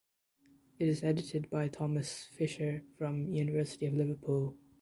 It is edited by Thomas Fischer from University of Liverpool.